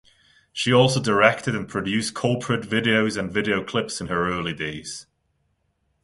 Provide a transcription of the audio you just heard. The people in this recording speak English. She also directed and produced corporate videos and video clips in her early days.